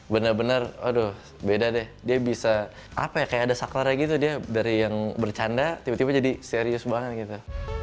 bener bener aduh beda deh dia bisa apa ya kayak ada saklarnya gitu dia dari yang bercanda tiba tiba jadi serius banget gitu